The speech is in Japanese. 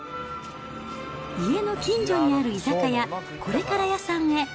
家の近所にある居酒屋、これからＹａさんへ。